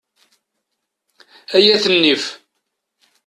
Ay at nnif!